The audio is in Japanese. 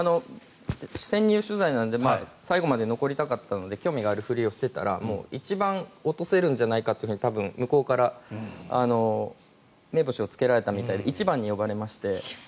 潜入取材なので最後まで残りたかったので興味があるふりをしていたら一番、落とせるんじゃないかと向こうから目星をつけられたみたいで一番に呼ばれまして。